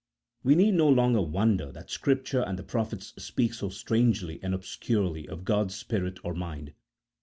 We need no longer wonder that Scripture and the prophets speak so strangely and obscurely of God's Spirit or Mind (cf.